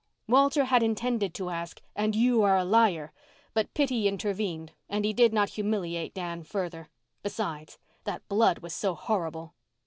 Walter had intended to ask, "And you are a liar?" but pity intervened and he did not humiliate Dan further. Besides, that blood was so horrible.